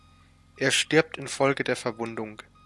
Er stirbt infolge der Verwundung.